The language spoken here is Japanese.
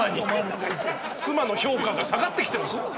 妻の評価が下がってきてます。